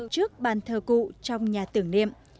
trước bàn thờ cụ trong nhà tưởng niệm